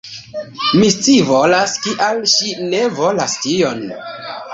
Mi scivolas kial ŝi ne volas tion!